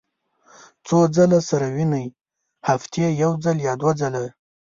څو ځله سره وینئ؟ هفتې یوځل یا دوه ځله